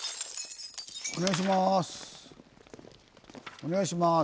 お願いします。